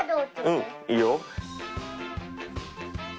うんいいよ！